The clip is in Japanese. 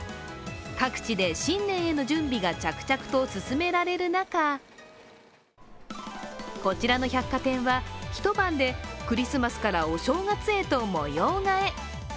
各地で新年への準備が着々と進められる中こちらの百貨店は、一晩でクリスマスからお正月へと模様替え。